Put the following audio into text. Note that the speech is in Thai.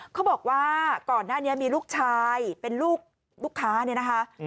เขาบอกว่าก่อนหน้านี้มีลูกชายเป็นลูกลูกค้าเนี่ยนะคะ